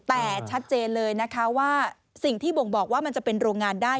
แต่ชัดเจนเลยนะคะว่าสิ่งที่บ่งบอกว่ามันจะเป็นโรงงานได้